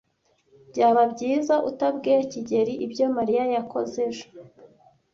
Byaba byiza utabwiye kigeli ibyo Mariya yakoze ejo.